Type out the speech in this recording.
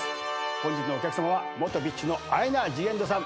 本日のお客さまは元ＢｉＳＨのアイナ・ジ・エンドさん。